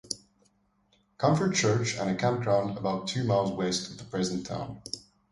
Comfort Church and a campground about two miles west of the present town.